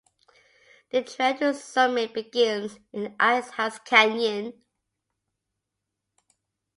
The trail to the summit begins in Icehouse Canyon.